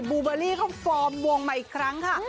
ูเบอร์รี่เขาฟอร์มวงมาอีกครั้งค่ะ